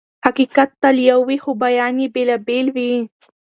حقيقت تل يو وي خو بيان يې بېلابېل وي.